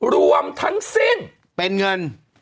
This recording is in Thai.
รวมทั้งสิ้นเป็นเงิน